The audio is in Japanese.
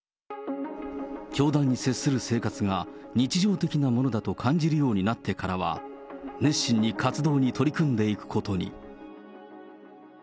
教団に接する生活が日常的なものだと感じるようになってからは、熱心に活動に取り組んでいくことに。